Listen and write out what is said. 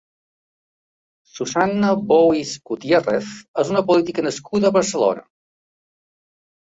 Susanna Bouis Gutiérrez és una política nascuda a Barcelona.